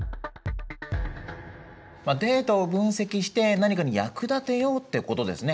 データを分析して何かに役立てようってことですね。